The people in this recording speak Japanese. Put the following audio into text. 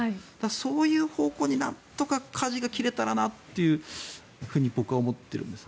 そういう方向になんとかかじが切れたらなと僕は思っています。